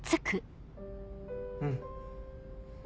うん。